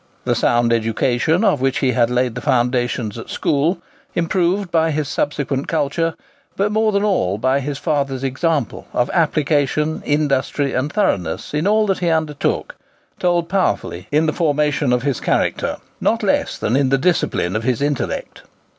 The sound education of which he had laid the foundations at school, improved by his subsequent culture, but more than all by his father's example of application, industry, and thoroughness in all that he undertook, told powerfully in the formation of his character, not less than in the discipline of his intellect.